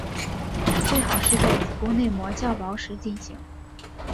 最好是在子宫内膜较薄时进行。